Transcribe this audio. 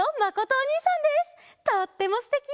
とってもすてき！